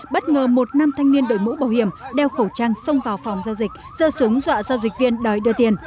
bất ngờ một nam thanh niên đội mũ bảo hiểm đeo khẩu trang xông vào phòng giao dịch dơ súng dọa giao dịch viên đòi đưa tiền